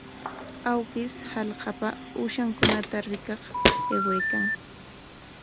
Awkish hallqapa uushankunata rikaq aywaykan.